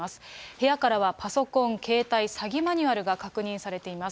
部屋からはパソコン、携帯、詐欺マニュアルが確認されています。